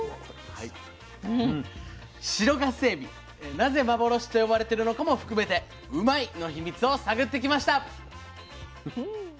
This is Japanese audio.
白ガスエビなぜ幻と呼ばれてるのかも含めてうまいッ！の秘密を探ってきました。